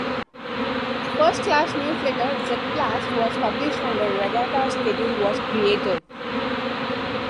The first Class newsletter, "Jet Blasts," was published and a regatta schedule was created.